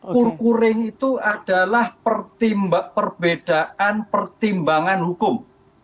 kurkuring itu adalah perbedaan pertimbangan hukum